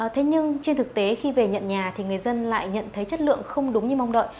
thế nhưng trên thực tế khi về nhận nhà thì người dân lại nhận thấy chất lượng không đúng như mong đợi